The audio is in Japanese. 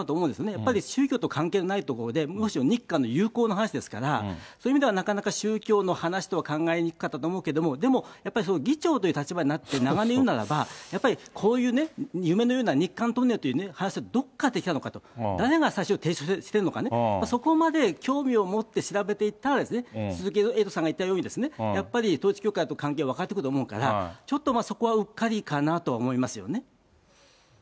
やっぱり宗教と関係がないところで、むしろ、日韓の友好の話ですから、そういう意味ではなかなか宗教の話とは考えにくかったと思うけども、でも、やっぱり議長という立場になって長年いるならば、やっぱりこういうね、夢のような日韓トンネルという話がどこから出てきたのかと、誰が最初、提唱してるのかね、そこまで興味を持って調べていったら、鈴木エイトさんが言ったようにね、やっぱり統一教会との関係が分かってくると思うから、ちょっとそこはうっかりかなと思いますね。